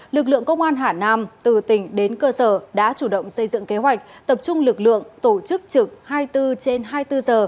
lực lượng công an hà nam từ tỉnh đến cơ sở đã chủ động xây dựng kế hoạch tập trung lực lượng tổ chức trực hai mươi bốn trên hai mươi bốn giờ